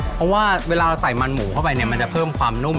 เพราะว่าเวลาเราใส่มันหมูเข้าไปเนี่ยมันจะเพิ่มความนุ่ม